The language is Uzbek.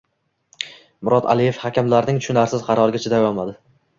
Murod Aliyev hakamlarning tushunarsiz qaroriga chiday olmadi